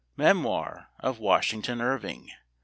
Memoir of Washington Irving.